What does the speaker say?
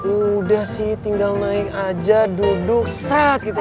udah sih tinggal naik aja duduk serat gitu